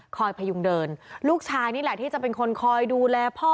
พยุงเดินลูกชายนี่แหละที่จะเป็นคนคอยดูแลพ่อ